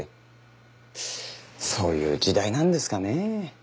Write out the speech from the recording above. そういう時代なんですかね。